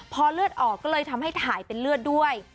พอเลือดออกก็เลยทำให้ถ่ายเป็นเลือดด้วย